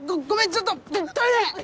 ちょっとトイレ！